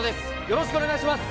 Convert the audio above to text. よろしくお願いします